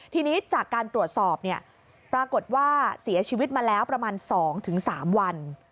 ทีนี้จากการตรวจสอบปรากฏว่าเสียชีวิตมาแล้วประมาณ๒๓วัน